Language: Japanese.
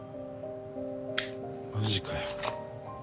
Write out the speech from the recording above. マジかよ。